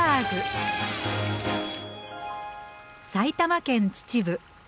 埼玉県秩父。